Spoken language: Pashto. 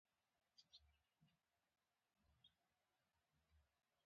شمالي مجاهدین به د سیاف پر ځای عبدالله ته ترجېح ور نه کړي.